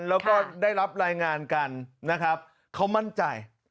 แล้วก็ได้รับรายงานกันนะครับเขามั่นใจ